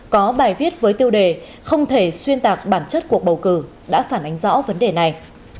có bài viết với tiêu đề không thể xuyên tạc bản chất cuộc bầu cử đã phản ánh rõ vấn đề này